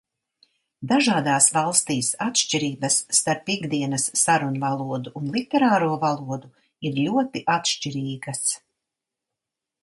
Dažādās valstīs atšķirības starp ikdienas sarunvalodu un literāro valodu ir ļoti atšķirīgas.